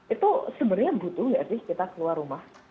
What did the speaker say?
itu sebenarnya butuh nggak sih kita keluar rumah